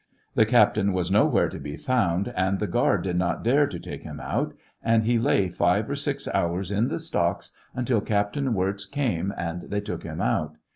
The captain was nowhere to be found, and the guard did not dare to take him out, and he lay five or six hours in the stocks until'Captain Wirz came and they took him out.